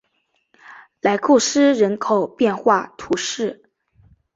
莱库斯人口变化图示